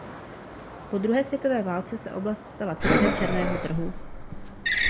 Po druhé světové válce se oblast stala centrem černého trhu.